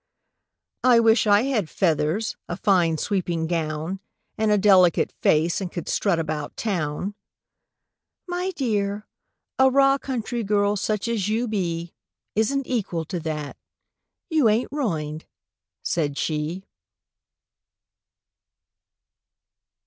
—"I wish I had feathers, a fine sweeping gown, And a delicate face, and could strut about Town!"— "My dear—a raw country girl, such as you be, Isn't equal to that. You ain't ruined," said she.